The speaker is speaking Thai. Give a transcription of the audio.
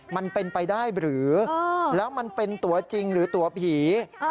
มันเป็นไปได้หรือแล้วมันเป็นตัวจริงหรือตัวผี